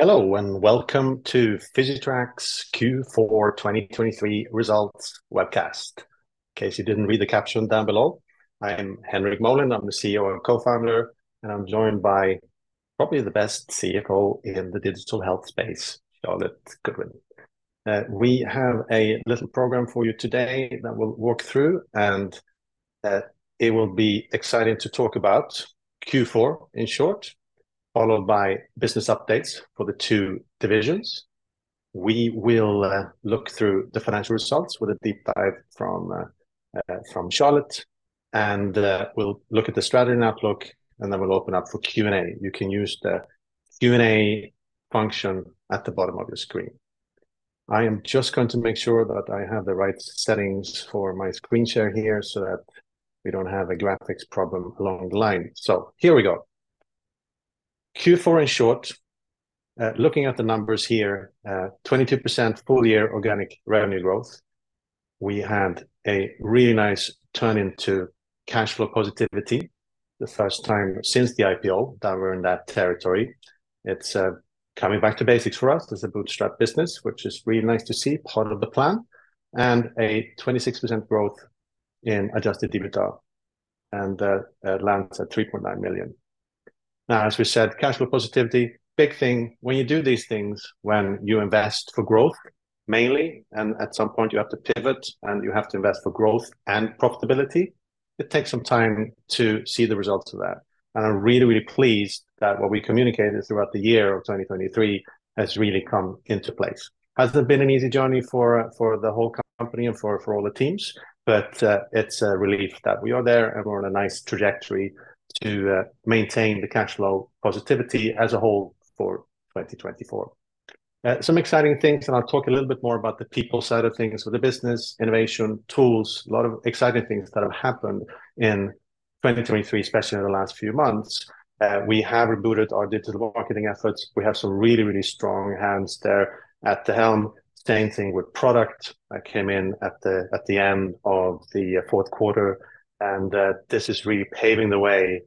Hello and welcome to Physitrack's Q4 2023 Results Webcast. In case you didn't read the caption down below, I'm Henrik Molin, I'm the CEO and co-founder, and I'm joined by probably the best CFO in the digital health space, Charlotte Goodwin. We have a little program for you today that we'll walk through, and it will be exciting to talk about Q4 in short, followed by business updates for the two divisions. We will look through the financial results with a deep dive from Charlotte, and we'll look at the strategy and outlook, and then we'll open up for Q&A. You can use the Q&A function at the bottom of your screen. I am just going to make sure that I have the right settings for my screen share here so that we don't have a graphics problem along the line. So here we go. Q4 in short, looking at the numbers here, 22% full year organic revenue growth. We had a really nice turn into cash flow positivity the first time since the IPO that we're in that territory. It's coming back to basics for us as a bootstrap business, which is really nice to see, part of the plan, and a 26% growth in adjusted EBITDA, and that lands at 3.9 million. Now, as we said, cash flow positivity, big thing. When you do these things, when you invest for growth mainly, and at some point you have to pivot and you have to invest for growth and profitability, it takes some time to see the results of that. I'm really, really pleased that what we communicated throughout the year of 2023 has really come into place. Hasn't been an easy journey for the whole company and for all the teams, but it's a relief that we are there, and we're on a nice trajectory to maintain the cash flow positivity as a whole for 2024. Some exciting things, and I'll talk a little bit more about the people side of things with the business, innovation, tools, a lot of exciting things that have happened in 2023, especially in the last few months. We have rebooted our digital marketing efforts. We have some really, really strong hands there at the helm. Same thing with product. I came in at the end of the fourth quarter, and this is really paving the way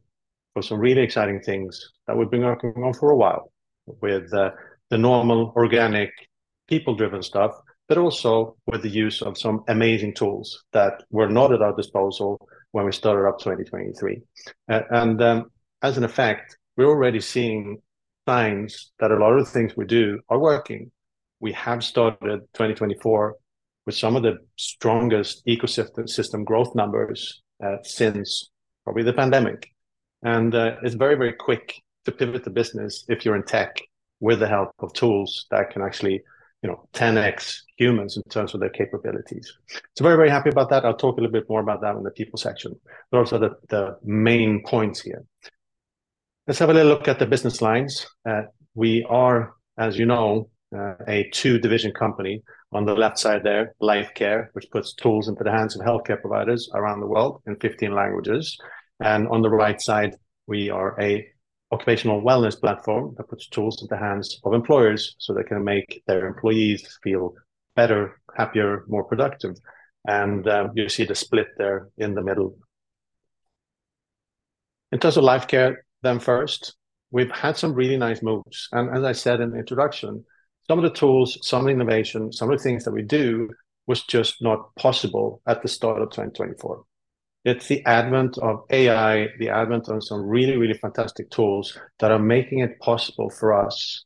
for some really exciting things that we've been working on for a while with the normal organic people-driven stuff, but also with the use of some amazing tools that were not at our disposal when we started up 2023. As an effect, we're already seeing signs that a lot of the things we do are working. We have started 2024 with some of the strongest ecosystem growth numbers since probably the pandemic. It's very, very quick to pivot the business if you're in tech with the help of tools that can actually 10x humans in terms of their capabilities. Very, very happy about that. I'll talk a little bit more about that in the people section, but also the main points here. Let's have a little look at the business lines. We are, as you know, a two-division company. On the left side there, Lifecare, which puts tools into the hands of healthcare providers around the world in 15 languages. On the right side, we are an occupational wellness platform that puts tools into the hands of employers so they can make their employees feel better, happier, more productive. You see the split there in the middle. In terms of Lifecare then first, we've had some really nice moves. As I said in the introduction, some of the tools, some of the innovation, some of the things that we do was just not possible at the start of 2024. It's the advent of AI, the advent of some really, really fantastic tools that are making it possible for us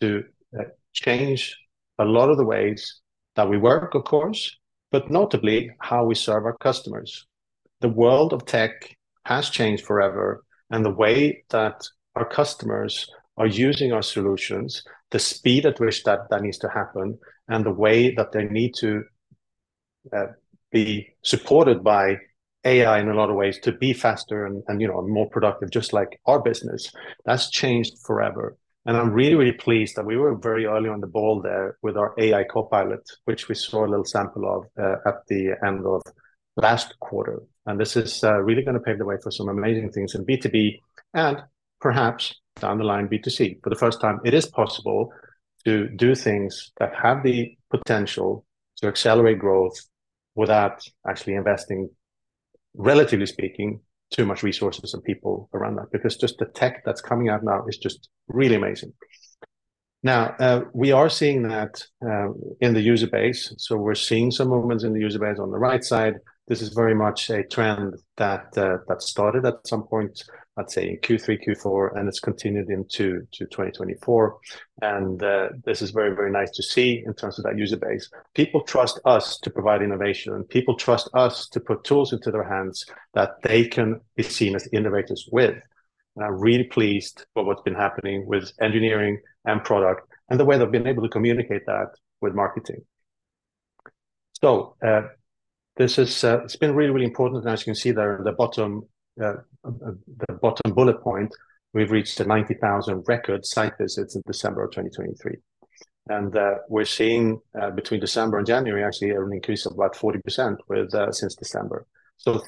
to change a lot of the ways that we work, of course, but notably how we serve our customers. The world of tech has changed forever, and the way that our customers are using our solutions, the speed at which that needs to happen, and the way that they need to be supported by AI in a lot of ways to be faster and more productive, just like our business, that's changed forever. I'm really, really pleased that we were very early on the ball there with our AI Copilot, which we saw a little sample of at the end of last quarter. This is really going to pave the way for some amazing things in B2B and perhaps down the line B2C. For the first time, it is possible to do things that have the potential to accelerate growth without actually investing, relatively speaking, too much resources and people around that, because just the tech that's coming out now is just really amazing. Now, we are seeing that in the user base. So we're seeing some movements in the user base on the right side. This is very much a trend that started at some point, I'd say in Q3, Q4, and it's continued into 2024. And this is very, very nice to see in terms of that user base. People trust us to provide innovation, and people trust us to put tools into their hands that they can be seen as innovators with. And I'm really pleased with what's been happening with engineering and product and the way they've been able to communicate that with marketing. So it's been really, really important. As you can see there on the bottom bullet point, we've reached a 90,000-record site visits in December of 2023. We're seeing between December and January, actually an increase of about 40% since December.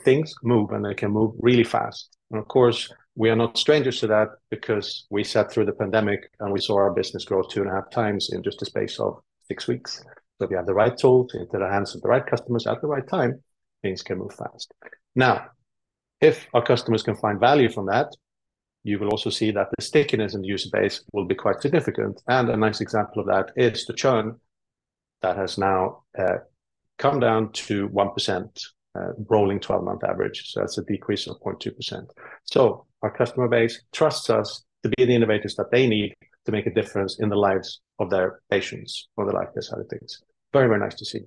Things move, and they can move really fast. Of course, we are not strangers to that because we sat through the pandemic, and we saw our business grow 2.5x in just the space of 6 weeks. If you have the right tools into the hands of the right customers at the right time, things can move fast. Now, if our customers can find value from that, you will also see that the stickiness in the user base will be quite significant. A nice example of that is the churn that has now come down to 1% rolling 12-month average. So that's a decrease of 0.2%. So our customer base trusts us to be the innovators that they need to make a difference in the lives of their patients or the likeness of things. Very, very nice to see.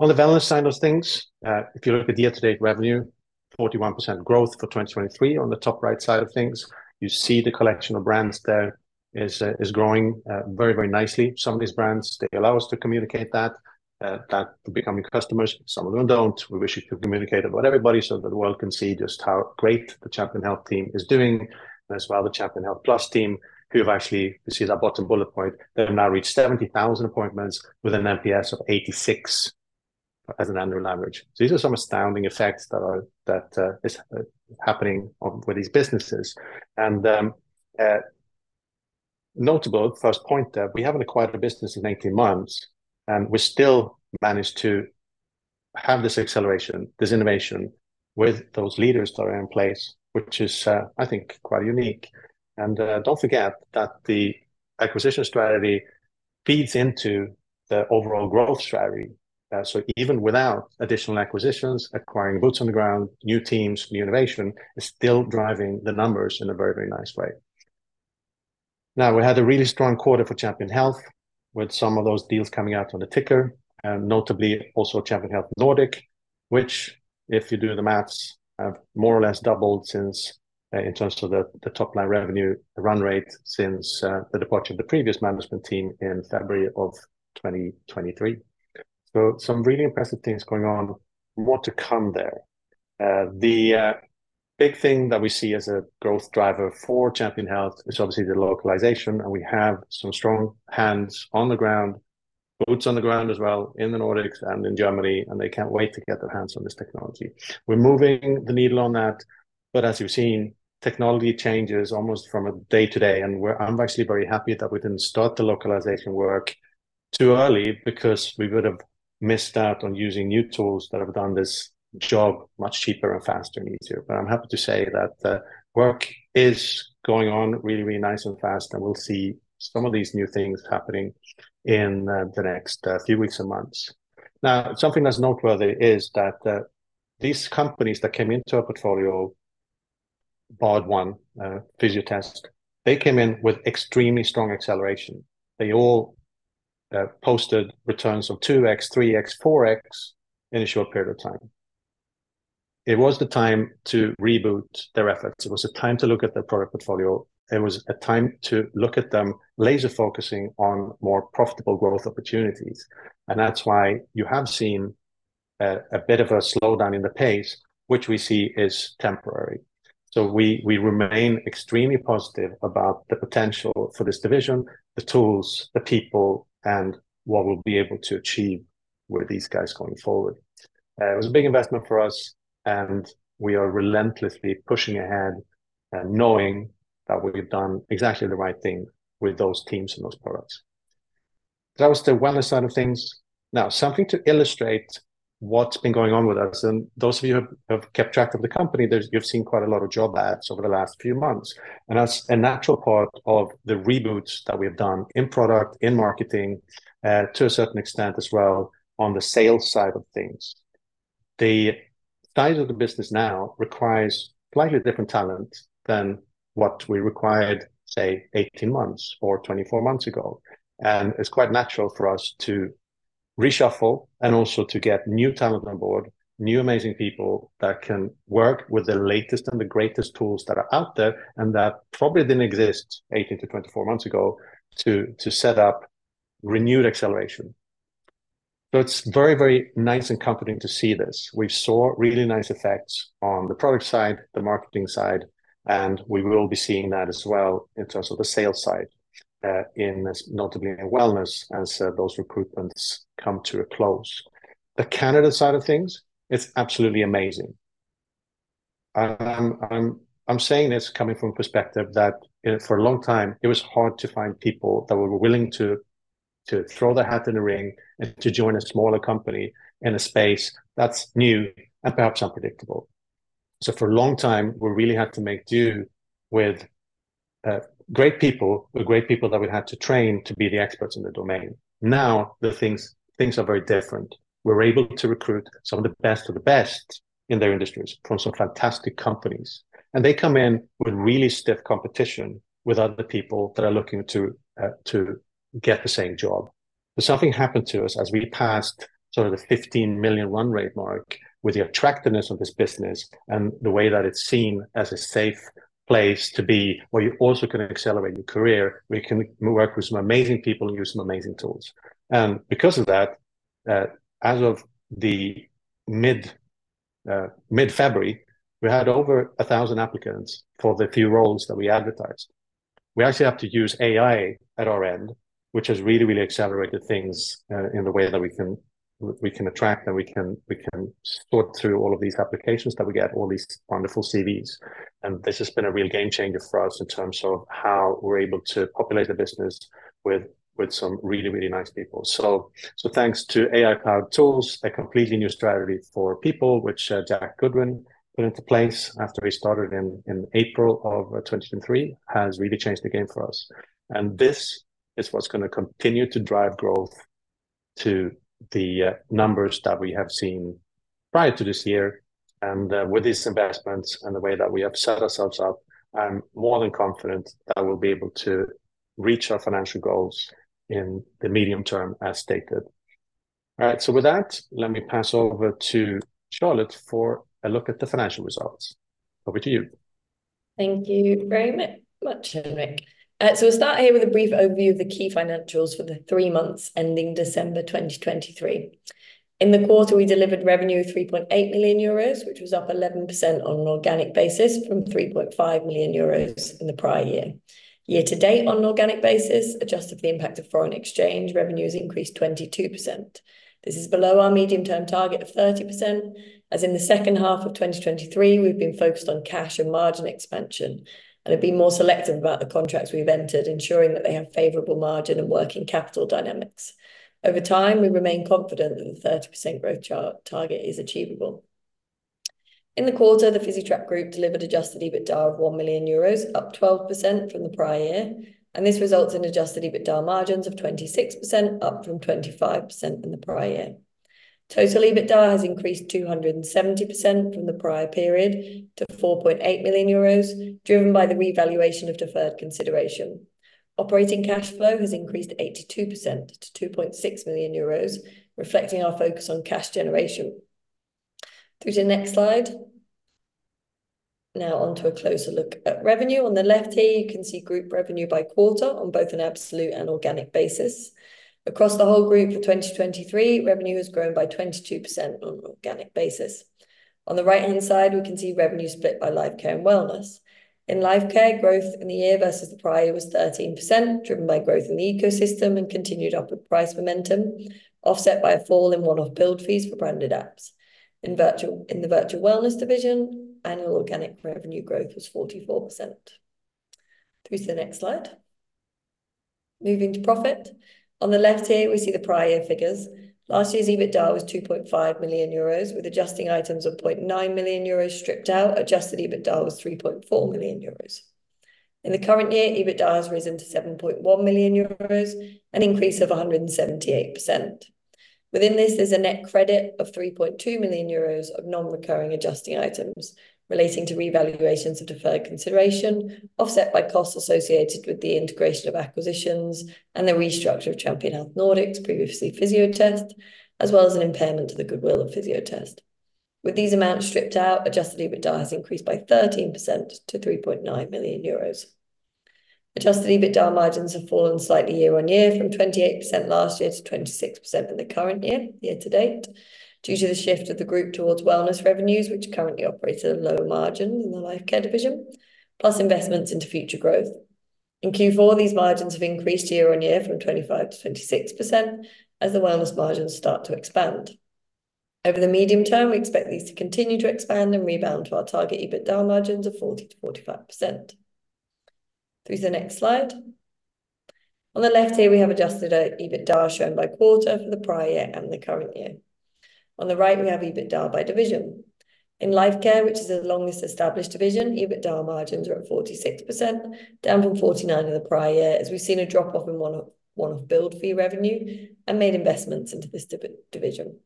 On the wellness side of things, if you look at year-to-date revenue, 41% growth for 2023 on the top right side of things, you see the collection of brands there is growing very, very nicely. Some of these brands, they allow us to communicate that, that becoming customers, some of them don't. We wish we could communicate about everybody so that the world can see just how great the Champion Health team is doing. And as well, the Champion Health Plus team, who have actually, you see that bottom bullet point, they've now reached 70,000 appointments with an NPS of 86 as an annual average. So these are some astounding effects that are happening with these businesses. And notable, first point there, we haven't acquired a business in 18 months, and we still managed to have this acceleration, this innovation with those leaders that are in place, which is, I think, quite unique. And don't forget that the acquisition strategy feeds into the overall growth strategy. So even without additional acquisitions, acquiring boots on the ground, new teams, new innovation, is still driving the numbers in a very, very nice way. Now, we had a really strong quarter for Champion Health with some of those deals coming out on the ticker, notably also Champion Health Nordic, which, if you do the math, have more or less doubled in terms of the top-line revenue run rate since the departure of the previous management team in February 2023. So some really impressive things going on. What to come there. The big thing that we see as a growth driver for Champion Health is obviously the localization, and we have some strong hands on the ground, boots on the ground as well in the Nordics and in Germany, and they can't wait to get their hands on this technology. We're moving the needle on that. But as you've seen, technology changes almost from a day-to-day, and I'm actually very happy that we didn't start the localization work too early because we would have missed out on using new tools that have done this job much cheaper and faster and easier. But I'm happy to say that work is going on really, really nice and fast, and we'll see some of these new things happening in the next few weeks and months. Now, something that's noteworthy is that these companies that came into our portfolio, Bard 1, Fysiotest, they came in with extremely strong acceleration. They all posted returns of 2x, 3x, 4x in a short period of time. It was the time to reboot their efforts. It was the time to look at their product portfolio. It was a time to look at them laser-focusing on more profitable growth opportunities. And that's why you have seen a bit of a slowdown in the pace, which we see is temporary. So we remain extremely positive about the potential for this division, the tools, the people, and what we'll be able to achieve with these guys going forward. It was a big investment for us, and we are relentlessly pushing ahead knowing that we have done exactly the right thing with those teams and those products. That was the wellness side of things. Now, something to illustrate what's been going on with us, and those of you who have kept track of the company, you've seen quite a lot of job ads over the last few months. That's a natural part of the reboots that we have done in product, in marketing, to a certain extent as well on the sales side of things. The size of the business now requires slightly different talent than what we required, say, 18 months or 24 months ago. It's quite natural for us to reshuffle and also to get new talent on board, new amazing people that can work with the latest and the greatest tools that are out there and that probably didn't exist 18 to 24 months ago to set up renewed acceleration. It's very, very nice and comforting to see this. We saw really nice effects on the product side, the marketing side, and we will be seeing that as well in terms of the sales side, notably in wellness as those recruitments come to a close. The Canada side of things, it's absolutely amazing. I'm saying this coming from a perspective that for a long time, it was hard to find people that were willing to throw the hat in the ring and to join a smaller company in a space that's new and perhaps unpredictable. So for a long time, we really had to make do with great people, the great people that we had to train to be the experts in the domain. Now, things are very different. We're able to recruit some of the best of the best in their industries from some fantastic companies. They come in with really stiff competition with other people that are looking to get the same job. But something happened to us as we passed sort of the 15 million run rate mark with the attractiveness of this business and the way that it's seen as a safe place to be where you also can accelerate your career, where you can work with some amazing people and use some amazing tools. And because of that, as of mid-February, we had over 1,000 applicants for the few roles that we advertised. We actually have to use AI at our end, which has really, really accelerated things in the way that we can attract and we can sort through all of these applications that we get, all these wonderful CVs. This has been a real game-changer for us in terms of how we're able to populate the business with some really, really nice people. Thanks to AI Cloud Tools, a completely new strategy for people, which Jack Goodwin put into place after he started in April of 2023, has really changed the game for us. This is what's going to continue to drive growth to the numbers that we have seen prior to this year. With these investments and the way that we have set ourselves up, I'm more than confident that we'll be able to reach our financial goals in the medium term, as stated. All right. With that, let me pass over to Charlotte for a look at the financial results. Over to you. Thank you very much, Henrik. We'll start here with a brief overview of the key financials for the three months ending December 2023. In the quarter, we delivered revenue of 3.8 million euros, which was up 11% on an organic basis from 3.5 million euros in the prior year. Year-to- date on an organic basis, adjusted for the impact of foreign exchange, revenues increased 22%. This is below our medium-term target of 30%. As in the second half of 2023, we've been focused on cash and margin expansion and have been more selective about the contracts we've entered, ensuring that they have favorable margin and working capital dynamics. Over time, we remain confident that the 30% growth target is achievable. In the quarter, the Physitrack Group delivered adjusted EBITDA of 1 million euros, up 12% from the prior year. This results in adjusted EBITDA margins of 26%, up from 25% in the prior year. Total EBITDA has increased 270% from the prior period to 4.8 million euros, driven by the revaluation of Deferred Consideration. Operating cash flow has increased 82% to 2.6 million euros, reflecting our focus on cash generation. Through to the next slide. Now, onto a closer look at revenue. On the left here, you can see group revenue by quarter on both an absolute and organic basis. Across the whole group for 2023, revenue has grown by 22% on an organic basis. On the right-hand side, we can see revenue split by Lifecare and Wellness. In Lifecare, growth in the year versus the prior year was 13%, driven by growth in the ecosystem and continued upward price momentum, offset by a fall in one-off build fees for branded apps. In the virtual wellness division, annual organic revenue growth was 44%. Through to the next slide. Moving to profit. On the left here, we see the prior year figures. Last year's EBITDA was 2.5 million euros, with adjusting items of 0.9 million euros stripped out. Adjusted EBITDA was 3.4 million euros. In the current year, EBITDA has risen to 7.1 million euros, an increase of 178%. Within this, there's a net credit of 3.2 million euros of non-recurring adjusting items relating to revaluations of deferred consideration, offset by costs associated with the integration of acquisitions and the restructure of Champion Health Nordics, previously Fysiotest, as well as an impairment to the goodwill of Fysiotest. With these amounts stripped out, adjusted EBITDA has increased by 13% to 3.9 million euros. Adjusted EBITDA margins have fallen slightly year-on-year from 28%-26% in the current year, year-to-date, due to the shift of the group towards wellness revenues, which currently operate at a low margin in the Lifecare division, plus investments into future growth. In Q4, these margins have increased year-on-year from 25%-26% as the wellness margins start to expand. Over the medium term, we expect these to continue to expand and rebound to our target EBITDA margins of 40%-45%. Through to the next slide. On the left here, we have adjusted EBITDA shown by quarter for the prior year and the current year. On the right, we have EBITDA by division. In Lifecare, which is the longest established division, EBITDA margins are at 46%, down from 49% in the prior year as we've seen a drop-off in one-off build fee revenue and made investments into this division.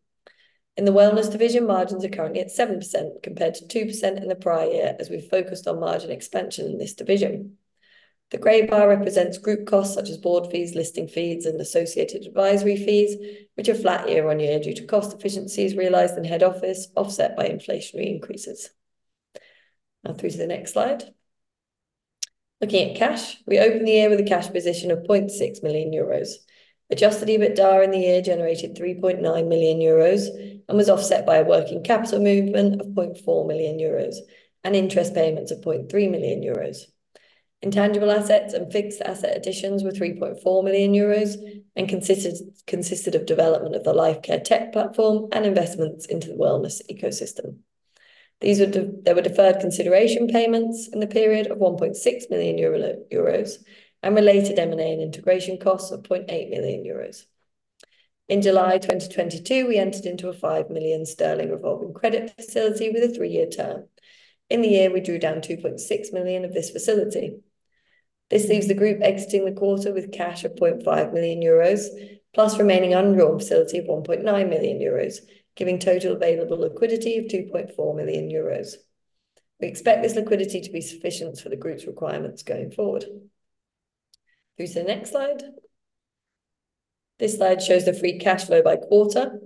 In the Wellness division, margins are currently at 7% compared to 2% in the prior year as we've focused on margin expansion in this division. The grey bar represents group costs such as board fees, listing fees, and associated advisory fees, which are flat year-over-year due to cost efficiencies realized in head office, offset by inflationary increases. Now, through to the next slide. Looking at cash, we open the year with a cash position of 0.6 million euros. Adjusted EBITDA in the year generated 3.9 million euros and was offset by a working capital movement of 0.4 million euros and interest payments of 0.3 million euros. Intangible assets and fixed asset additions were 3.4 million euros and consisted of development of the Lifecare tech platform and investments into the wellness ecosystem. There were deferred consideration payments in the period of 1.6 million euros and related M&A and integration costs of 0.8 million euros. In July 2022, we entered into a 5 million sterling revolving credit facility with a three-year term. In the year, we drew down 2.6 million of this facility. This leaves the group exiting the quarter with cash of 0.5 million euros, plus remaining undrawn facility of 1.9 million euros, giving total available liquidity of 2.4 million euros. We expect this liquidity to be sufficient for the group's requirements going forward. Through to the next slide. This slide shows the free cash flow by quarter.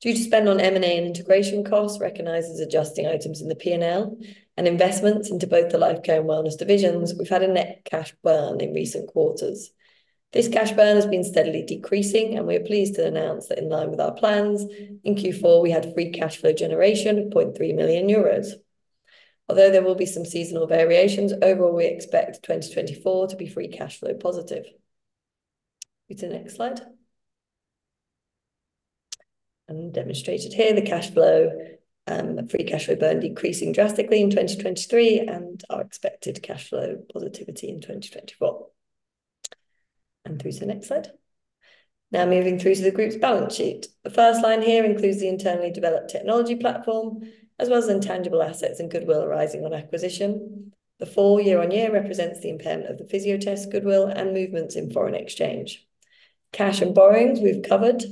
Due to spend on M&A and integration costs recognized as adjusting items in the P&L and investments into both the Lifecare and Wellness divisions, we've had a net cash burn in recent quarters. This cash burn has been steadily decreasing, and we are pleased to announce that in line with our plans, in Q4, we had free cash flow generation of 0.3 million euros. Although there will be some seasonal variations, overall, we expect 2024 to be free cash flow positive. Through to the next slide. Demonstrated here, the cash flow, free cash flow burn decreasing drastically in 2023, and our expected cash flow positivity in 2024. Through to the next slide. Now, moving through to the group's balance sheet. The first line here includes the internally developed technology platform, as well as intangible assets and goodwill arising on acquisition. The full year-over-year represents the impairment of the Fysiotest goodwill and movements in foreign exchange. Cash and borrowings we've covered,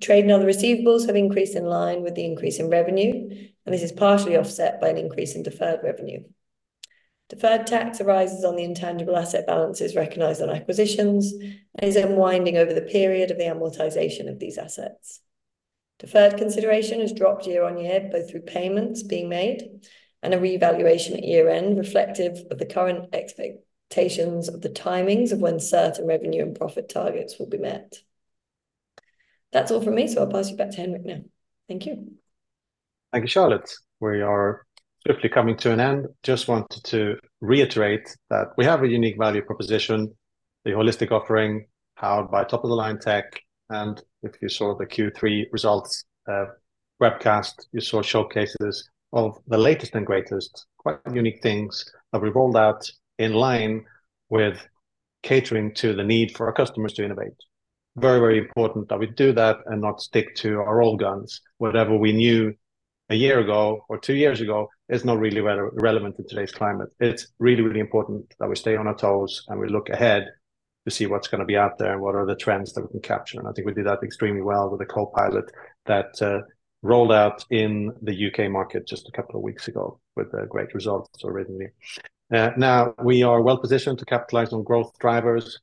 trade and other receivables have increased in line with the increase in revenue, and this is partially offset by an increase in deferred revenue. Deferred tax arises on the intangible asset balances recognized on acquisitions and is unwinding over the period of the amortization of these assets. Deferred consideration has dropped year-over-year, both through payments being made and a revaluation at year-end reflective of the current expectations of the timings of when certain revenue and profit targets will be met. That's all from me, so I'll pass you back to Henrik now. Thank you. Thank you, Charlotte. We are swiftly coming to an end. Just wanted to reiterate that we have a unique value proposition, the holistic offering powered by top-of-the-line tech. And if you saw the Q3 results webcast, you saw showcases of the latest and greatest, quite unique things that we've rolled out in line with catering to the need for our customers to innovate. Very, very important that we do that and not stick to our old guns. Whatever we knew a year ago or two years ago is not really relevant in today's climate. It's really, really important that we stay on our toes and we look ahead to see what's going to be out there and what are the trends that we can capture. I think we did that extremely well with a Copilot that rolled out in the U.K. market just a couple of weeks ago with great results originally. Now, we are well-positioned to capitalize on growth drivers.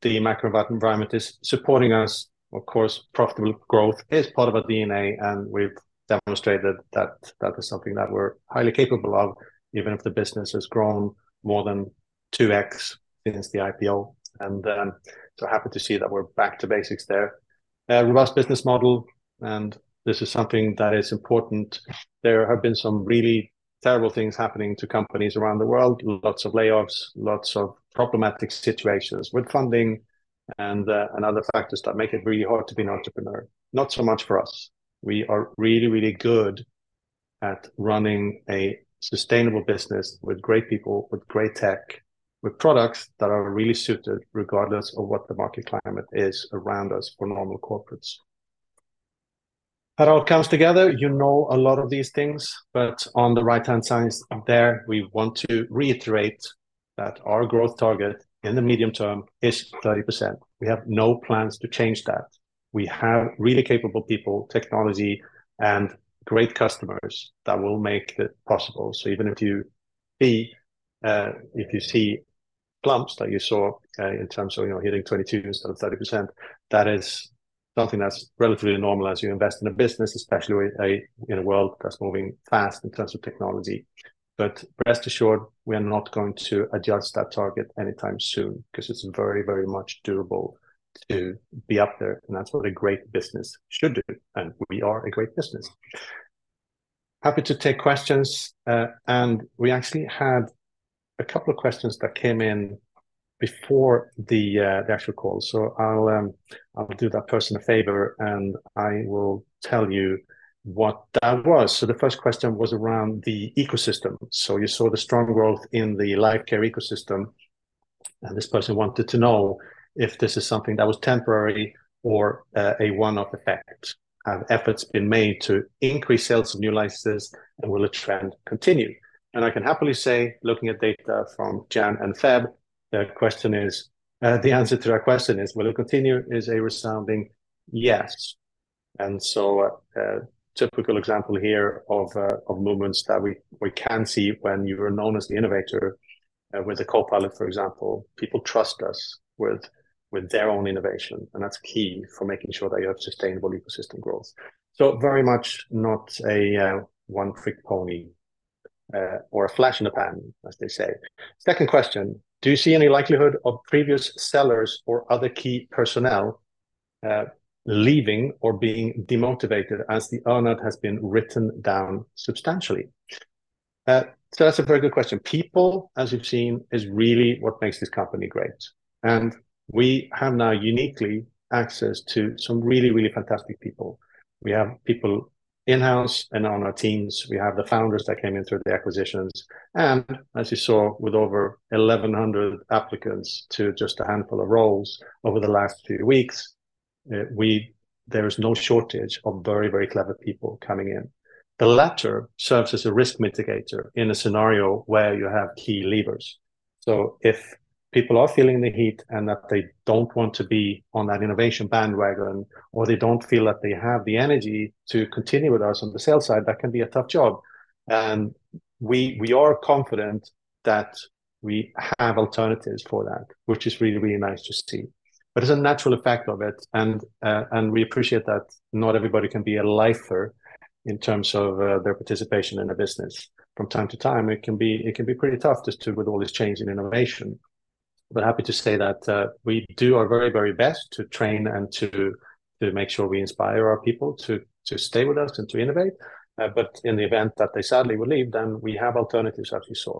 The macro environment is supporting us. Of course, profitable growth is part of our DNA, and we've demonstrated that that is something that we're highly capable of, even if the business has grown more than 2x since the IPO. So happy to see that we're back to basics there. Robust business model, and this is something that is important. There have been some really terrible things happening to companies around the world, lots of layoffs, lots of problematic situations with funding, and other factors that make it really hard to be an entrepreneur. Not so much for us. We are really, really good at running a sustainable business with great people, with great tech, with products that are really suited regardless of what the market climate is around us for normal corporates. When it all comes together, you know a lot of these things, but on the right-hand side there, we want to reiterate that our growth target in the medium term is 30%. We have no plans to change that. We have really capable people, technology, and great customers that will make it possible. So even if you see clumps that you saw in terms of hitting 22% instead of 30%, that is something that's relatively normal as you invest in a business, especially in a world that's moving fast in terms of technology. But rest assured, we are not going to adjust that target anytime soon because it's very, very much doable to be up there. And that's what a great business should do. And we are a great business. Happy to take questions. And we actually had a couple of questions that came in before the actual call. So I'll do that person a favor, and I will tell you what that was. So the first question was around the ecosystem. So you saw the strong growth in the Lifecare ecosystem. And this person wanted to know if this is something that was temporary or a one-off effect. Have efforts been made to increase sales of new licenses, and will the trend continue? And I can happily say, looking at data from January and February, the answer to our question is, will it continue? Is a resounding yes. A typical example here of movements that we can see when you're known as the innovator with a Copilot, for example, people trust us with their own innovation. That's key for making sure that you have sustainable ecosystem growth. Very much not a one-trick pony or a flash in the pan, as they say. Second question, do you see any likelihood of previous sellers or other key personnel leaving or being demotivated as the earn-out has been written down substantially? That's a very good question. People, as you've seen, is really what makes this company great. We now have unique access to some really, really fantastic people. We have people in-house and on our teams. We have the founders that came in through the acquisitions. As you saw, with over 1,100 applicants to just a handful of roles over the last few weeks, there is no shortage of very, very clever people coming in. The latter serves as a risk mitigator in a scenario where you have key levers. If people are feeling the heat and that they don't want to be on that innovation bandwagon, or they don't feel that they have the energy to continue with us on the sales side, that can be a tough job. We are confident that we have alternatives for that, which is really, really nice to see. It's a natural effect of it. We appreciate that not everybody can be a lifer in terms of their participation in a business. From time-to-time, it can be pretty tough just with all this change in innovation. But happy to say that we do our very, very best to train and to make sure we inspire our people to stay with us and to innovate. But in the event that they sadly would leave, then we have alternatives, as you saw.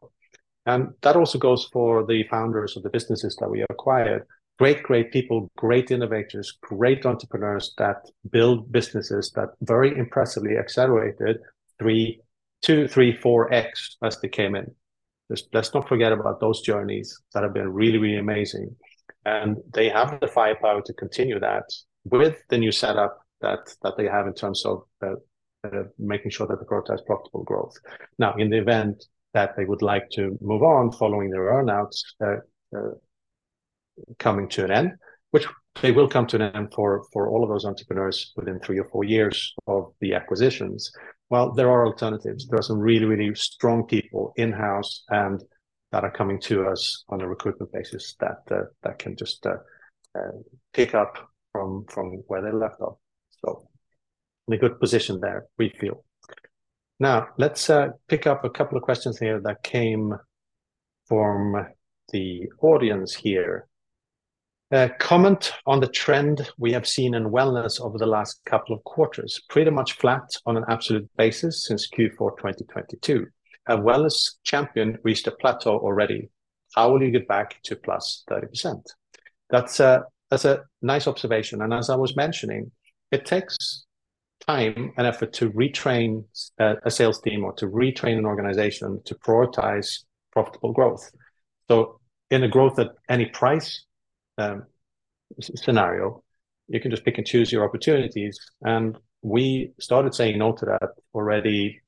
And that also goes for the founders of the businesses that we acquired. Great, great people, great innovators, great entrepreneurs that build businesses that very impressively accelerated 2x, 3x, 4x as they came in. Let's not forget about those journeys that have been really, really amazing. And they have the firepower to continue that with the new setup that they have in terms of making sure that the product has profitable growth. Now, in the event that they would like to move on following their earn-outs coming to an end, which they will come to an end for all of those entrepreneurs within three or four years of the acquisitions, well, there are alternatives. There are some really, really strong people in-house that are coming to us on a recruitment basis that can just pick up from where they left off. So in a good position there, we feel. Now, let's pick up a couple of questions here that came from the audience here. Comment on the trend we have seen in wellness over the last couple of quarters. Pretty much flat on an absolute basis since Q4 2022. Have Champion Health reached a plateau already? How will you get back to +30%? That's a nice observation. As I was mentioning, it takes time and effort to retrain a sales team or to retrain an organization to prioritize profitable growth. So in a growth at any price scenario, you can just pick and choose your opportunities. We started saying no to that already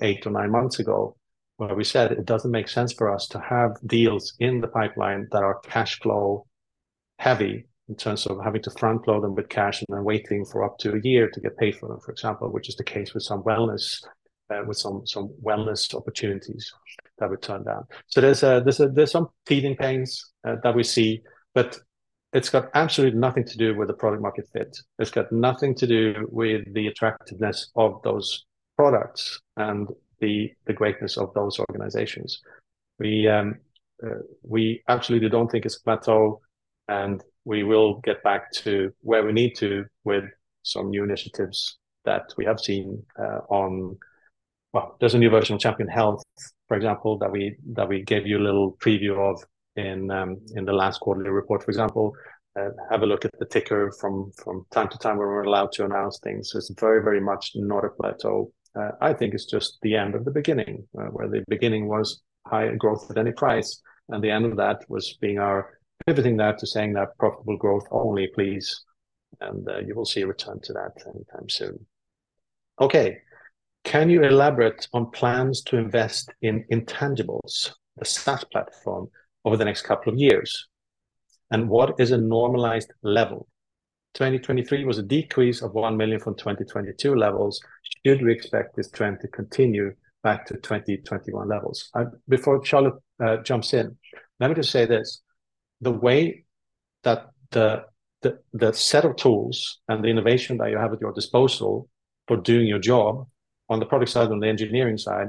eight or nine months ago, where we said it doesn't make sense for us to have deals in the pipeline that are cash flow heavy in terms of having to front-load them with cash and then waiting for up to a year to get paid for them, for example, which is the case with some wellness opportunities that we turned down. So there's some teething pains that we see, but it's got absolutely nothing to do with the product-market fit. It's got nothing to do with the attractiveness of those products and the greatness of those organizations. We absolutely don't think it's a plateau, and we will get back to where we need to with some new initiatives that we have seen on. Well, there's a new version of Champion Health, for example, that we gave you a little preview of in the last quarterly report, for example. Have a look at the ticker from time to time where we're allowed to announce things. It's very, very much not a plateau. I think it's just the end of the beginning, where the beginning was higher growth at any price, and the end of that was pivoting that to saying that profitable growth only, please. And you will see a return to that anytime soon. Okay. Can you elaborate on plans to invest in intangibles, the SaaS platform, over the next couple of years? And what is a normalised level? 2023 was a decrease of 1 million from 2022 levels. Should we expect this trend to continue back to 2021 levels? Before Charlotte jumps in, let me just say this. The way that the set of tools and the innovation that you have at your disposal for doing your job on the product side and the engineering side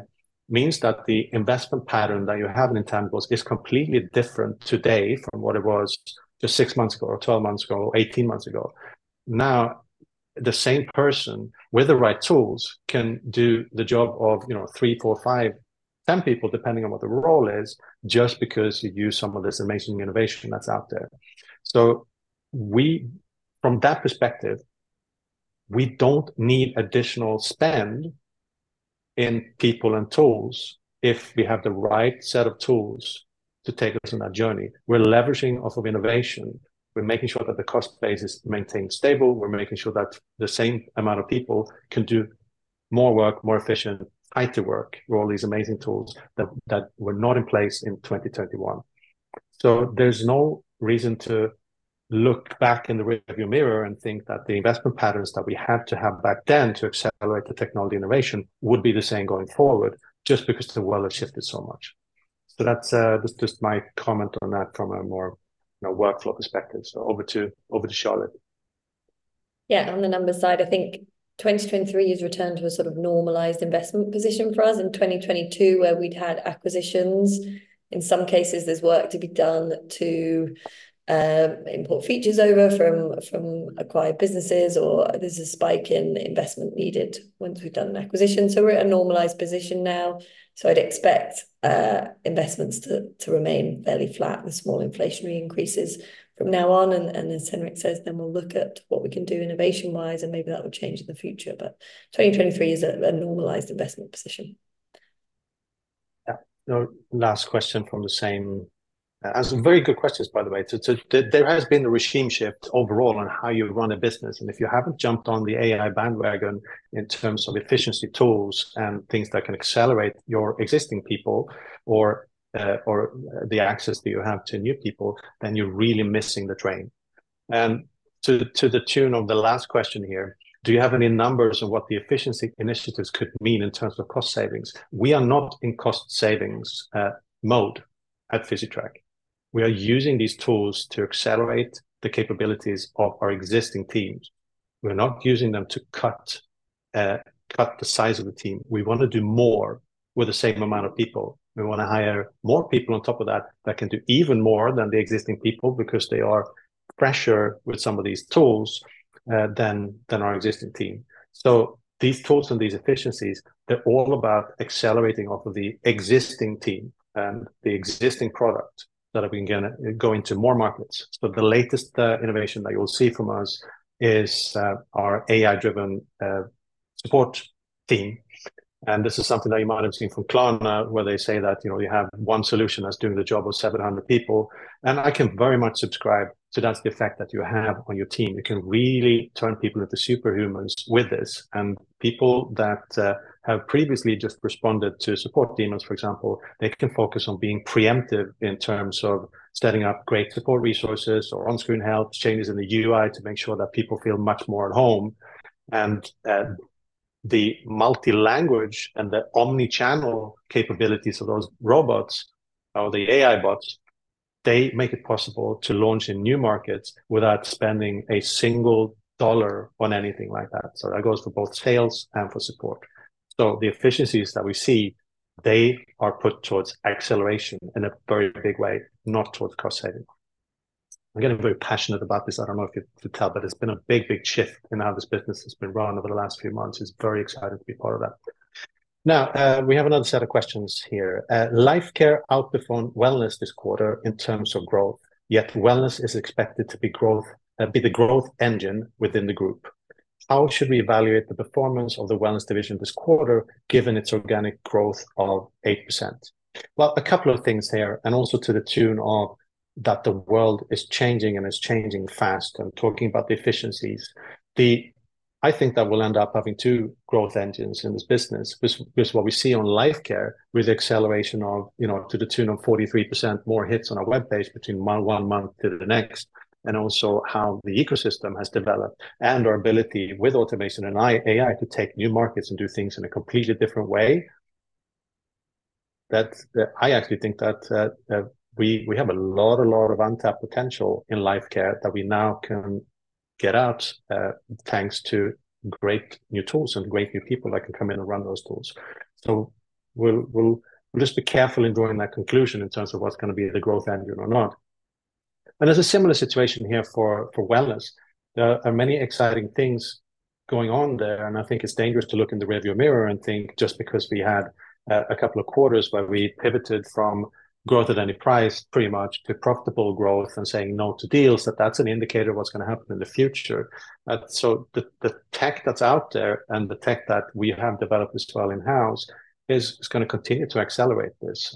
means that the investment pattern that you have in intangibles is completely different today from what it was just six months ago or 12 months ago or 18 months ago. Now, the same person with the right tools can do the job of three, four, five, 10 people, depending on what the role is, just because you use some of this amazing innovation that's out there. From that perspective, we don't need additional spend in people and tools if we have the right set of tools to take us on that journey. We're leveraging off of innovation. We're making sure that the cost base is maintained stable. We're making sure that the same amount of people can do more work, more efficient, higher work with all these amazing tools that were not in place in 2021. There's no reason to look back in the rearview mirror and think that the investment patterns that we had to have back then to accelerate the technology innovation would be the same going forward, just because the world has shifted so much. That's just my comment on that from a more workflow perspective. Over to Charlotte. Yeah, on the number side, I think 2023 has returned to a sort of normalized investment position for us. In 2022, where we'd had acquisitions, in some cases, there's work to be done to import features over from acquired businesses, or there's a spike in investment needed once we've done an acquisition. So we're at a normalized position now. So I'd expect investments to remain fairly flat with small inflationary increases from now on. And as Henrik says, then we'll look at what we can do innovation-wise, and maybe that will change in the future. But 2023 is a normalized investment position. Yeah. Last question from the same. As very good questions, by the way. There has been a regime shift overall on how you run a business. If you haven't jumped on the AI bandwagon in terms of efficiency tools and things that can accelerate your existing people or the access that you have to new people, then you're really missing the train. To the tune of the last question here, do you have any numbers on what the efficiency initiatives could mean in terms of cost savings? We are not in cost savings mode at Physitrack. We are using these tools to accelerate the capabilities of our existing teams. We're not using them to cut the size of the team. We want to do more with the same amount of people. We want to hire more people on top of that that can do even more than the existing people because they are fresher with some of these tools than our existing team. These tools and these efficiencies, they're all about accelerating off of the existing team and the existing product that are going to go into more markets. The latest innovation that you'll see from us is our AI-driven support team. This is something that you might have seen from Klarna, where they say that you have one solution that's doing the job of 700 people. I can very much subscribe to that's the effect that you have on your team. You can really turn people into superhumans with this. People that have previously just responded to support demos, for example, they can focus on being preemptive in terms of setting up great support resources or on-screen help, changes in the UI to make sure that people feel much more at home. The multi-language and the omnichannel capabilities of those robots or the AI bots, they make it possible to launch in new markets without spending a single dollar on anything like that. So that goes for both sales and for support. So the efficiencies that we see, they are put towards acceleration in a very big way, not towards cost saving. I'm getting very passionate about this. I don't know if you could tell, but it's been a big, big shift in how this business has been run over the last few months. It's very exciting to be part of that. Now, we have another set of questions here. Lifecare outperformed Wellness this quarter in terms of growth, yet Wellness is expected to be the growth engine within the group. How should we evaluate the performance of the Wellness division this quarter given its organic growth of 8%? Well, a couple of things here, and also to the tune of that the world is changing and is changing fast, and talking about the efficiencies. I think that we'll end up having two growth engines in this business, which is what we see on Lifecare with the acceleration of, to the tune of 43% more hits on our web page between one month to the next, and also how the ecosystem has developed and our ability with automation and AI to take new markets and do things in a completely different way. I actually think that we have a lot, a lot of untapped potential in Lifecare that we now can get out thanks to great new tools and great new people that can come in and run those tools. So we'll just be careful in drawing that conclusion in terms of what's going to be the growth engine or not. And there's a similar situation here for Wellness. There are many exciting things going on there. And I think it's dangerous to look in the rearview mirror and think just because we had a couple of quarters where we pivoted from growth at any price pretty much to profitable growth and saying no to deals, that that's an indicator of what's going to happen in the future. So the tech that's out there and the tech that we have developed as well in-house is going to continue to accelerate this.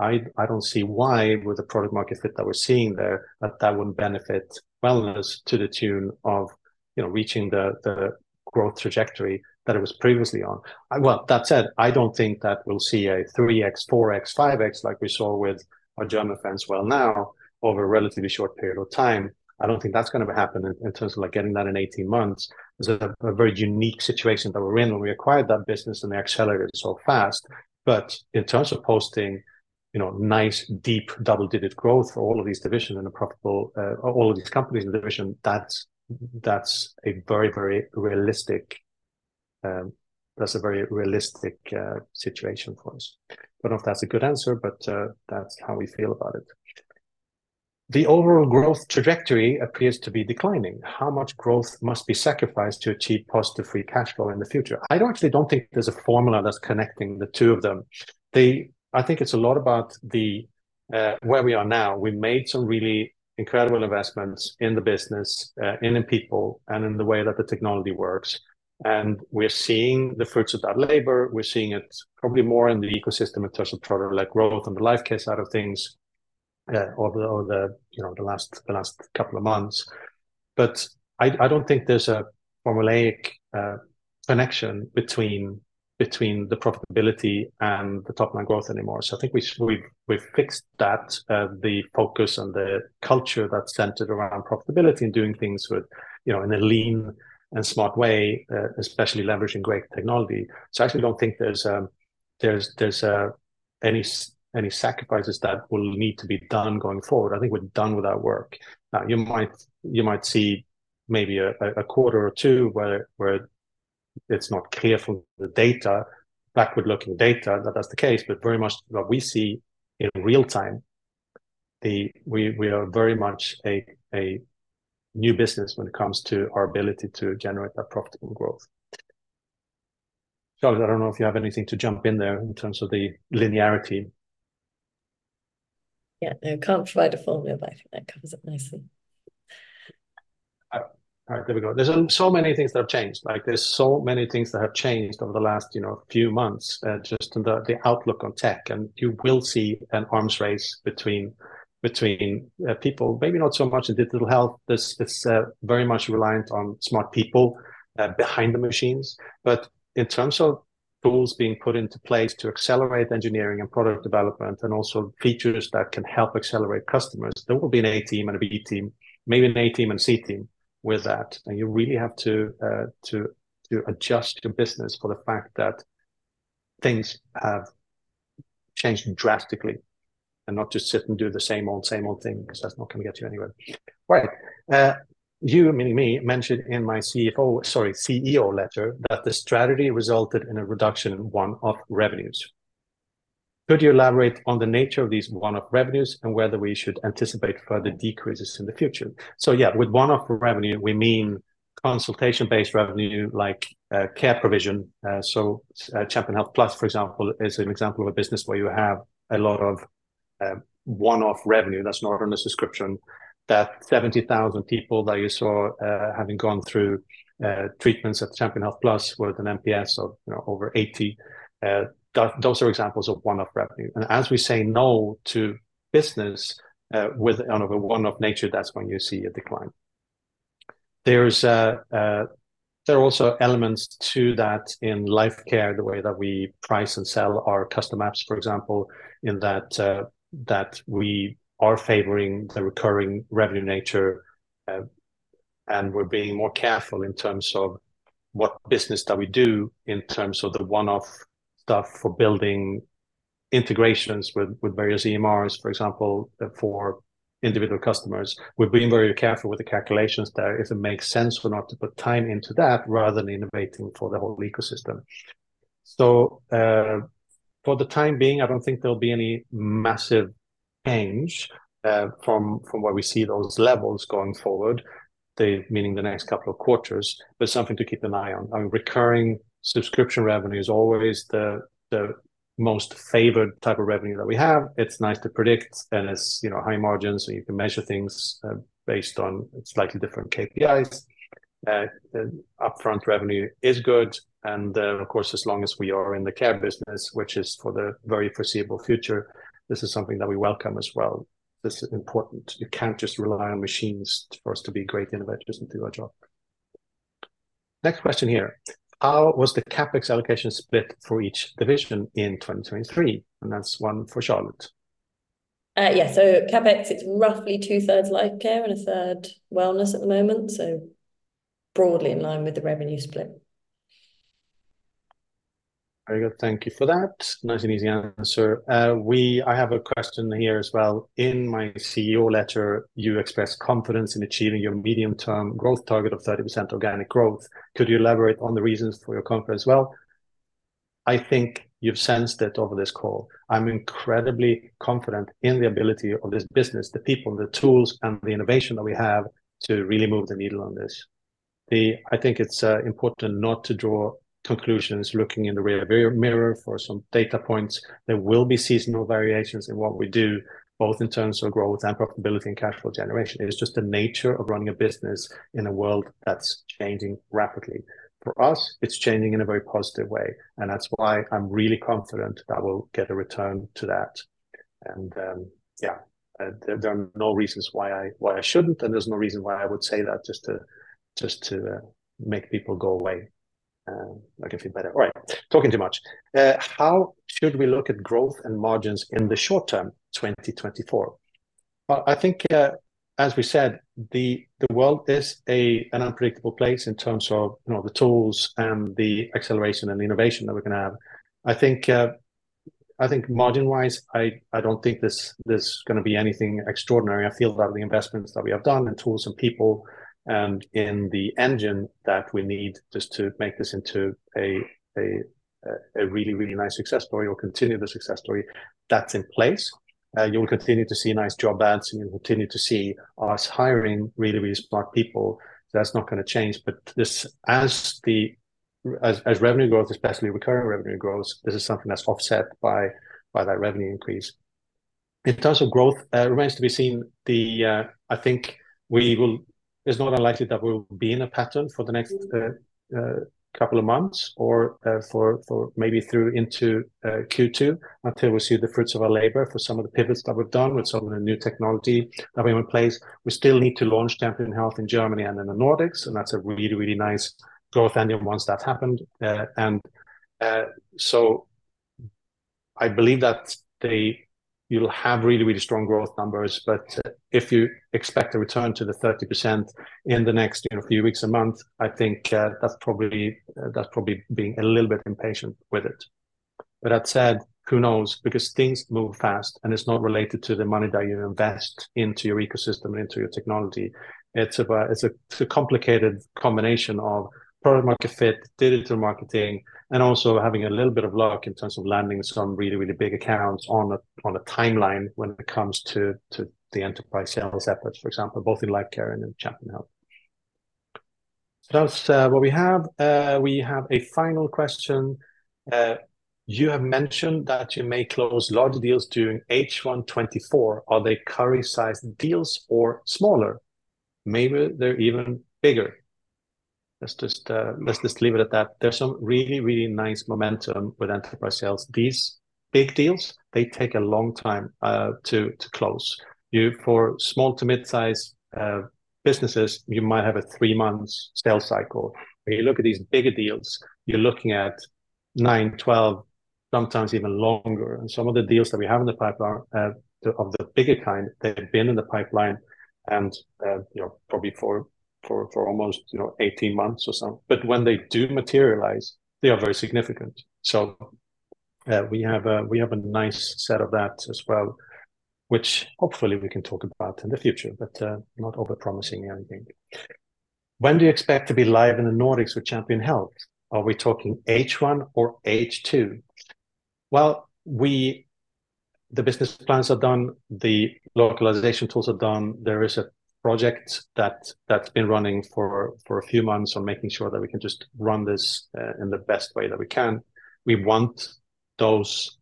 I don't see why with the product-market fit that we're seeing there that that wouldn't benefit Wellness to the tune of reaching the growth trajectory that it was previously on. Well, that said, I don't think that we'll see a 3x, 4x, 5x like we saw with our German friends Wellnow over a relatively short period of time. I don't think that's going to happen in terms of getting that in 18 months. It's a very unique situation that we're in when we acquired that business, and they accelerated so fast. But in terms of posting nice, deep, double-digit growth for all of these divisions and all of these companies in the division, that's a very, very realistic that's a very realistic situation for us. I don't know if that's a good answer, but that's how we feel about it. The overall growth trajectory appears to be declining. How much growth must be sacrificed to achieve positive free cash flow in the future? I actually don't think there's a formula that's connecting the two of them. I think it's a lot about where we are now. We made some really incredible investments in the business, in people, and in the way that the technology works. And we're seeing the fruits of that labor. We're seeing it probably more in the ecosystem in terms of product-like growth and the Lifecare side of things over the last couple of months. But I don't think there's a formulaic connection between the profitability and the top-line growth anymore. So I think we've fixed that, the focus and the culture that's centered around profitability and doing things in a lean and smart way, especially leveraging great technology. So I actually don't think there's any sacrifices that will need to be done going forward. I think we're done with that work. Now, you might see maybe a quarter or two where it's not clear from the data, backward-looking data, that that's the case, but very much what we see in real time, we are very much a new business when it comes to our ability to generate that profitable growth. Charlotte, I don't know if you have anything to jump in there in terms of the linearity. Yeah, I can't provide a formula, but I think that covers it nicely. All right, there we go. There's so many things that have changed. There's so many things that have changed over the last few months just in the outlook on tech. And you will see an arms race between people, maybe not so much in digital health. It's very much reliant on smart people behind the machines. But in terms of tools being put into place to accelerate engineering and product development and also features that can help accelerate customers, there will be an A team and a B team, maybe an A team and a C team with that. And you really have to adjust your business for the fact that things have changed drastically, and not just sit and do the same old, same old thing because that's not going to get you anywhere. Right. You, meaning me, mentioned in my CEO letter that the strategy resulted in a reduction in one-off revenues. Could you elaborate on the nature of these one-off revenues and whether we should anticipate further decreases in the future? So yeah, with one-off revenue, we mean consultation-based revenue like care provision. So Champion Health Plus, for example, is an example of a business where you have a lot of one-off revenue. That's not on the description. That 70,000 people that you saw having gone through treatments at Champion Health Plus with an NPS of over 80, those are examples of one-off revenue. And as we say no to business with one of a one-off nature, that's when you see a decline. There are also elements to that in Lifecare, the way that we price and sell our custom apps, for example, in that we are favoring the recurring revenue nature, and we're being more careful in terms of what business that we do in terms of the one-off stuff for building integrations with various EMRs, for example, for individual customers. We're being very careful with the calculations there if it makes sense for not to put time into that rather than innovating for the whole ecosystem. So for the time being, I don't think there'll be any massive change from where we see those levels going forward, meaning the next couple of quarters, but something to keep an eye on. I mean, recurring subscription revenue is always the most favored type of revenue that we have. It's nice to predict, and it's high margins, and you can measure things based on slightly different KPIs. Upfront revenue is good. Of course, as long as we are in the care business, which is for the very foreseeable future, this is something that we welcome as well. This is important. You can't just rely on machines for us to be great innovators and do our job. Next question here. How was the CapEx allocation split for each division in 2023? That's one for Charlotte. Yeah, so CapEx, it's roughly two-thirds Lifecare and a third Wellness at the moment, so broadly in line with the revenue split. Very good. Thank you for that. Nice and easy answer. I have a question here as well. In my CEO letter, you expressed confidence in achieving your medium-term growth target of 30% organic growth. Could you elaborate on the reasons for your confidence as well? I think you've sensed it over this call. I'm incredibly confident in the ability of this business, the people, the tools, and the innovation that we have to really move the needle on this. I think it's important not to draw conclusions looking in the rearview mirror for some data points. There will be seasonal variations in what we do, both in terms of growth and profitability and cash flow generation. It's just the nature of running a business in a world that's changing rapidly. For us, it's changing in a very positive way. That's why I'm really confident that we'll get a return to that. Yeah, there are no reasons why I shouldn't, and there's no reason why I would say that just to make people go away. I can feel better. All right. Talking too much. How should we look at growth and margins in the short term, 2024? Well, I think, as we said, the world is an unpredictable place in terms of the tools and the acceleration and the innovation that we're going to have. I think margin-wise, I don't think there's going to be anything extraordinary. I feel that the investments that we have done in tools and people and in the engine that we need just to make this into a really, really nice success story or continue the success story, that's in place. You will continue to see nice job ads, and you'll continue to see us hiring really, really smart people. So that's not going to change. But as revenue growth, especially recurring revenue growth, this is something that's offset by that revenue increase. In terms of growth, it remains to be seen. I think it's not unlikely that we'll be in a pattern for the next couple of months or maybe through into Q2 until we see the fruits of our labor for some of the pivots that we've done with some of the new technology that we have in place. We still need to launch Champion Health in Germany and in the Nordics. And that's a really, really nice growth engine once that's happened. And so I believe that you'll have really, really strong growth numbers. But if you expect a return to the 30% in the next few weeks, a month, I think that's probably being a little bit impatient with it. But that said, who knows? Because things move fast, and it's not related to the money that you invest into your ecosystem and into your technology. It's a complicated combination of product-market fit, digital marketing, and also having a little bit of luck in terms of landing some really, really big accounts on a timeline when it comes to the enterprise sales efforts, for example, both in Lifecare and in Champion Health. So that's what we have. We have a final question. You have mentioned that you may close large deals during H1 2024. Are they Currys-sized deals or smaller? Maybe they're even bigger. Let's just leave it at that. There's some really, really nice momentum with enterprise sales. These big deals, they take a long time to close. For small to mid-sized businesses, you might have a 3-month sales cycle. When you look at these bigger deals, you're looking at nine, 12, sometimes even longer. And some of the deals that we have in the pipeline of the bigger kind, they've been in the pipeline probably for almost 18 months or so. But when they do materialize, they are very significant. So we have a nice set of that as well, which hopefully we can talk about in the future, but not overpromisingly anything. When do you expect to be live in the Nordics with Champion Health? Are we talking H1 or H2? Well, the business plans are done. The localization tools are done. There is a project that's been running for a few months on making sure that we can just run this in the best way that we can. We want those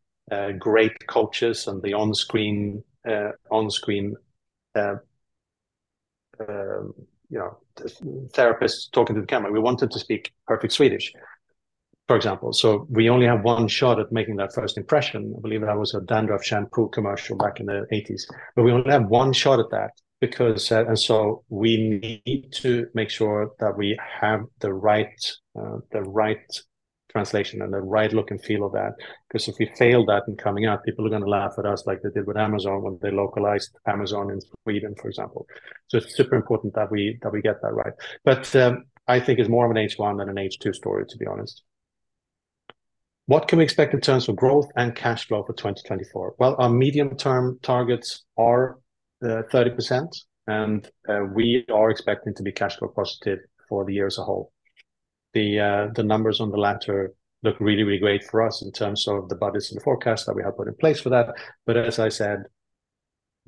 great coaches and the on-screen therapists talking to the camera. We want them to speak perfect Swedish, for example. So we only have one shot at making that first impression. I believe that was a dandruff shampoo commercial back in the 1980s. But we only have one shot at that because, and so we need to make sure that we have the right translation and the right look and feel of that because if we fail that in coming out, people are going to laugh at us like they did with Amazon when they localized Amazon in Sweden, for example. So it's super important that we get that right. But I think it's more of an H1 than an H2 story, to be honest. What can we expect in terms of growth and cash flow for 2024? Well, our medium-term targets are 30%, and we are expecting to be cash flow positive for the year as a whole. The numbers on the latter look really, really great for us in terms of the budgets and the forecast that we have put in place for that. But as I said,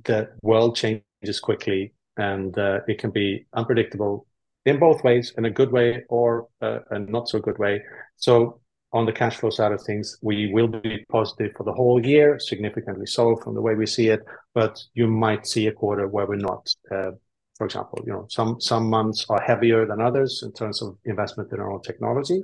the world changes quickly, and it can be unpredictable in both ways, in a good way or a not-so-good way. So on the cash flow side of things, we will be positive for the whole year, significantly so from the way we see it. But you might see a quarter where we're not. For example, some months are heavier than others in terms of investment in our own technology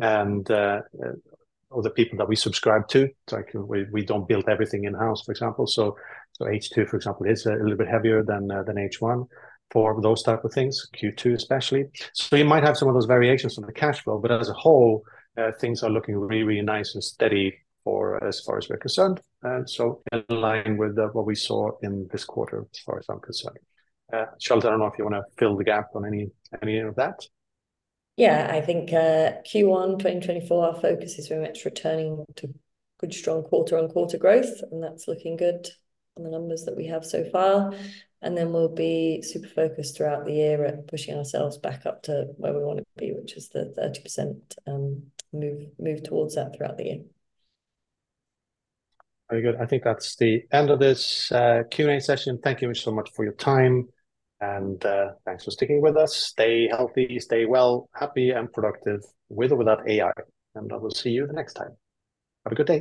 and other people that we subscribe to. We don't build everything in-house, for example. So H2, for example, is a little bit heavier than H1 for those type of things, Q2 especially. So you might have some of those variations on the cash flow, but as a whole, things are looking really, really nice and steady as far as we're concerned. So in line with what we saw in this quarter, as far as I'm concerned. Charlotte, I don't know if you want to fill the gap on any of that. Yeah, I think Q1 2024, our focus is very much returning to good, strong quarter-on-quarter growth, and that's looking good on the numbers that we have so far. And then we'll be super focused throughout the year at pushing ourselves back up to where we want to be, which is the 30%, move towards that throughout the year. Very good. I think that's the end of this Q&A session. Thank you so much for your time, and thanks for sticking with us. Stay healthy, stay well, happy, and productive with or without AI. I will see you the next time. Have a good day.